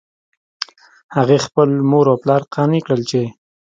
هغې خپل مور او پلار قانع کړل چې